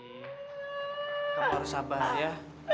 yul kamu harus sabar ya